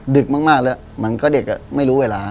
ดึกมากแล้วมันก็เด็กไม่รู้เวลา